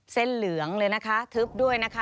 เหลืองเลยนะคะทึบด้วยนะคะ